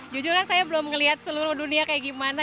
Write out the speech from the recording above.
jujurnya saya belum melihat seluruh dunia kayak gimana